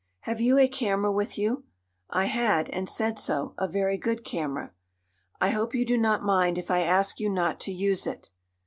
"Have you a camera with you?" I had, and said so; a very good camera. "I hope you do not mind if I ask you not to use it."